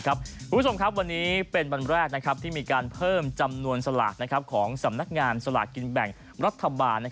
คุณผู้ชมครับวันนี้เป็นวันแรกที่มีการเพิ่มจำนวนสลากของสำนักงานสลากกินแบ่งรัฐบาล